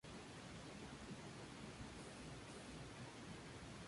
Actualmente dirige y presenta un programa sobre ciclismo en la televisión local de Fuenterrabía.